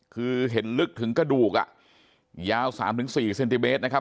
คือเห็นลึกถึงกระดูกอ่ะยาว๓๔เซนติเมตรนะครับ